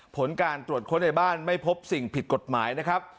ผลการตรวจค้นในบ้านไม่พบสิ่งผิดกฎหมายนะครับ